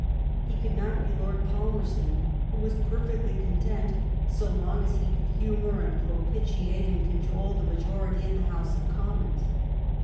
He could not be Lord Palmerston, who was perfectly con tent so long as he could humor and propitiate and cajole the majority in the House of Com mons.